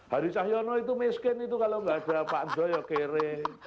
hari cahyono itu miskin itu kalau nggak ada pak joyo kering